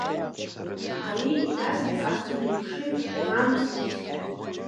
Ари еразнак Асҭамыр ихшыҩ иаамҵанарсит.